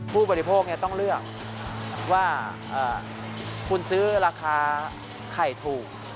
ผู้บริโภคต้องเลือกว่าคุณซื้อราคาไข่ถูก